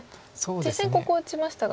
実戦ここ打ちましたが。